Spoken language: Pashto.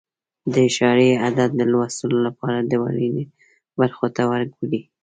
د اعشاري عدد د لوستلو لپاره د ورنيې برخو ته وګورئ.